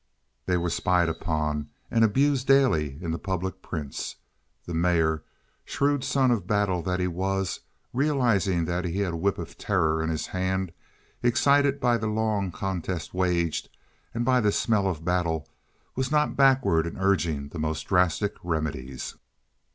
They were spied upon and abused daily in the public prints. The mayor, shrewd son of battle that he was, realizing that he had a whip of terror in his hands, excited by the long contest waged, and by the smell of battle, was not backward in urging the most drastic remedies.